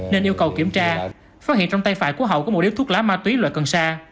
nên yêu cầu kiểm tra phát hiện trong tay phải của hậu có một điếc thuốc lá ma túy loại cần sa